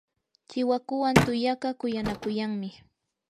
chiwakuwan tuyaqa kuyanakuyanmi.